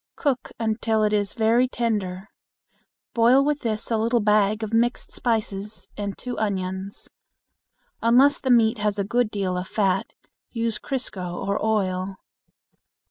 Cook until it is very tender. Boil with this a little bag of mixed spices and two onions. Unless the meat has a good deal of fat, use crisco, or oil.